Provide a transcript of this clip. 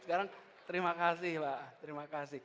sekarang terima kasih pak